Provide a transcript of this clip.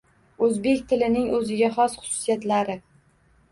Oʻzbek tilining oʻziga xos xususiyatlari